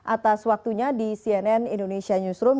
atas waktunya di cnn indonesia newsroom